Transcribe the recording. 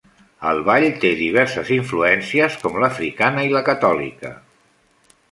El ball té diverses influències, com l'africana i la catòlica.